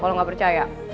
kalo gak percaya